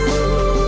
và mùa đen